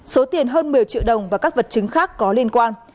số tiền hơn một mươi triệu đồng và các vật chứng khác có liên quan